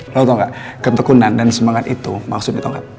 lo tau gak ketekunan dan semangat itu maksudnya tau gak